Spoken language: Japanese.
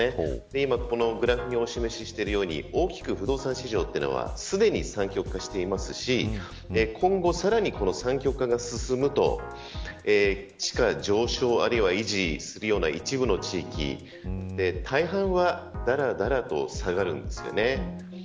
今、このグラフでお示ししているように大きく不動産市場はすでに三極してますし今後、さらに三極化が進む地価上昇あるいは維持するような一部の地域大半はだらだらと下がるんですよね。